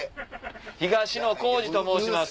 「東野幸治と申します」。